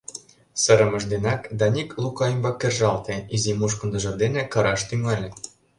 Сырымыж денак Даник Лука ӱмбак кержалте, изи мушкындыжо дене кыраш тӱҥале.